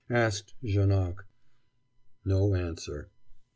asked Janoc. No answer.